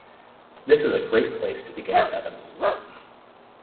This is a great place to begin with Evans.